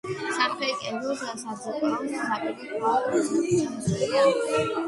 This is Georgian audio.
სამხრეთ კედლის საძირკველს საპირე ქვა შემოცლილი აქვს.